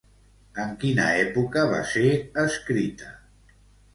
En quina època va ser escrita?